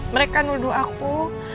mereka nuduh aku